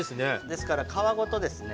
ですから、皮ごとですね。